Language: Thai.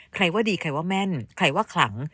ว่าดีใครว่าแม่นใครว่าขลัง